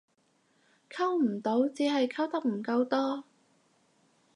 溝唔到只係溝得唔夠多